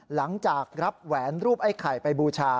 หลังจากรับแหวนรูปไอ้ไข่ไปบูชา